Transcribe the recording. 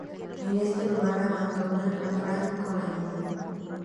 En ese lugar abandonan a Frank con la niña.